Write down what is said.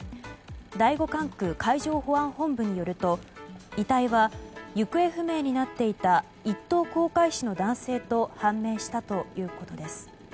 第５管区海上保安本部によると遺体は行方不明になっていた一等航海士の男性と判明したということです。